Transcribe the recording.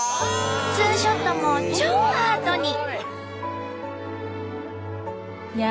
ツーショットも超アートに！